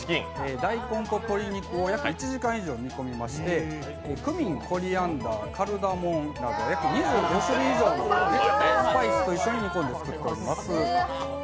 大根と鶏肉を約１時間以上煮込みましてクミン、コリアンダー、カルダモンなど２５種類以上のスパイスと一緒に煮込んでいます。